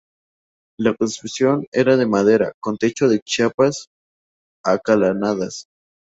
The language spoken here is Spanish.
La construcción era de madera, con techo de chapas acanaladas.